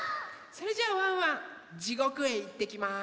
それじゃあワンワン地獄へいってきます！